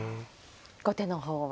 後手の方は。